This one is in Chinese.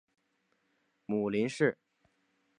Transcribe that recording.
母林氏。